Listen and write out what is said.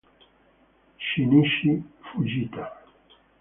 Shinichi Fujita